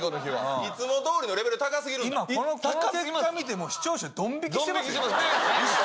いつもどおりのレベル高すぎこれ見ても視聴者ドン引きしてますよ。